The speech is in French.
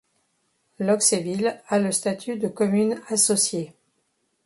Loxéville a le statut de commune associée.